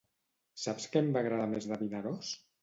Saps què em va agradar més de Vinaròs?